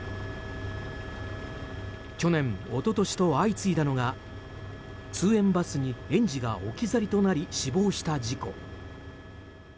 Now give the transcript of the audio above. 去年、一昨年と相次いだのが通園バスに園児が置き去りとなり死亡した事故。